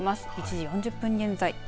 １時４０分現在です。